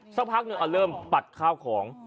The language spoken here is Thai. สักพักหนึ่งเริ่มปัดข้าวของ